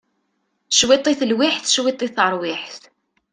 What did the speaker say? Cwiṭ i telwiḥt cwiṭ i teṛwiḥt!